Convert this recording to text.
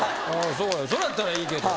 それやったらいいけど。